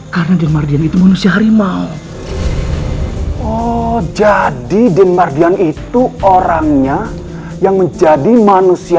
karena itu manusia harimau jadi dengar yang itu orangnya yang menjadi manusia